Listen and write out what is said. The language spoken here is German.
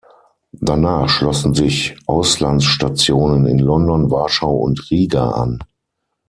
Danach schlossen sich Auslandsstationen in London, Warschau und Riga an.